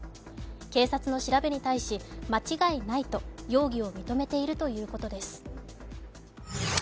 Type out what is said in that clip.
警察の調べに対し間違いないと容疑を認めているということです。